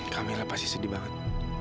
kamila pasti sedih banget